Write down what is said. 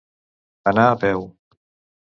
Anar a peu.